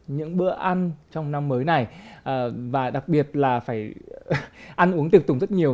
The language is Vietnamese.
những bữa ăn trong năm mới này và đặc biệt là phải ăn uống tiệc tùng rất nhiều